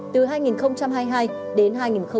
từ hai nghìn hai mươi hai đến